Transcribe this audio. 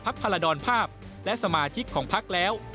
ภักดิ์พาระดอนภาพและสมาชิกของภักดิ์แล้ว